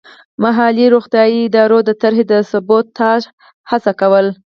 محلي روغتیايي ادارو د طرحې د سبوتاژ هڅه کوله.